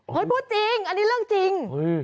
พูดจริงอันนี้เรื่องจริง